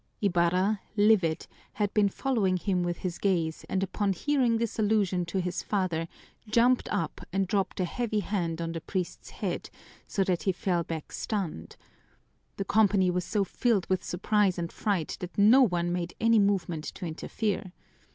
Ibarra, livid, had been following him with his gaze and upon hearing this allusion to his father jumped up and dropped a heavy hand on the priest's head, so that he fell back stunned. The company was so filled with surprise and fright that no one made any movement to interfere.